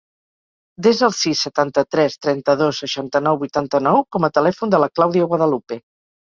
Desa el sis, setanta-tres, trenta-dos, seixanta-nou, vuitanta-nou com a telèfon de la Clàudia Guadalupe.